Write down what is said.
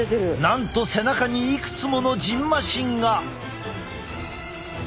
なんと背中にいくつものじんましんが！